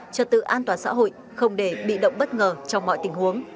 trật tự an toàn xã hội không để bị động bất ngờ trong mọi tình huống